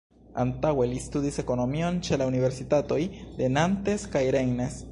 Antaŭe li studis ekonomion ĉe la universitatoj de Nantes kaj Rennes.